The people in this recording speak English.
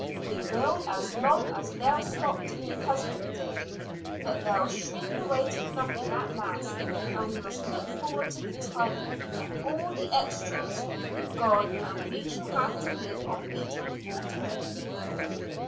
"We will, as long as they'll stop to be husbanded; but they'll shrink away to nothing at last, and we must look forward to the time when all the extras'll be gone and we shall have to live on meat and water."